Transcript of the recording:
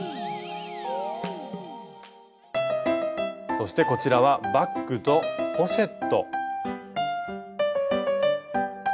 そしてこちらはバッグとポシェット。